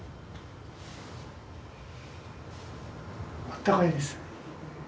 あったかいです。